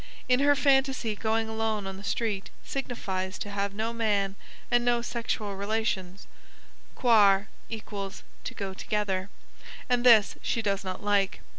In her phantasy going alone on the street signifies to have no man and no sexual relations (coire = to go together), and this she does not like.